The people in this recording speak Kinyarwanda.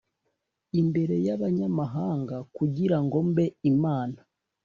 imbere y abanyamahanga kugira ngo mbe imana